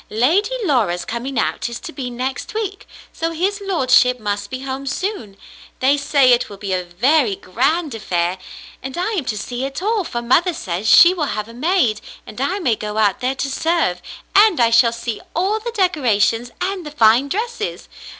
"Lady Laura's coming out is to be next week, so his lordship must be home soon. They say it will be a very grand affair ! And I am to see it all, for mother says she will have a maid, and I may go out there to serve, and I shall see all the decorations and the fine dresses.